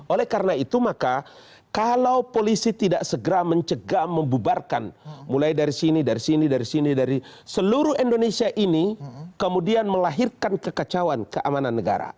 oleh karena itu maka kalau polisi tidak segera mencegah membubarkan mulai dari sini dari sini dari sini dari seluruh indonesia ini kemudian melahirkan kekacauan keamanan negara